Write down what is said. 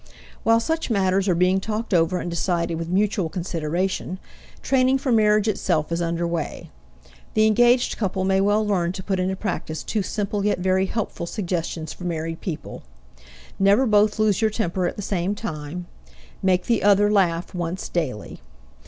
While such matters are being talked over and decided with mutual consideration, training for marriage itself is under way. The engaged couple may well learn to put into practice two simple yet very helpful suggestions for married people: never both lose your temper at the same time; make the other laugh once daily.